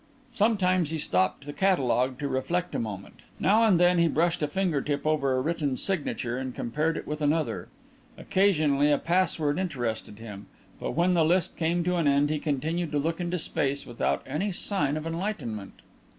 Sometimes he stopped the catalogue to reflect a moment; now and then he brushed a finger tip over a written signature and compared it with another. Occasionally a password interested him. But when the list came to an end he continued to look into space without any sign of enlightenment.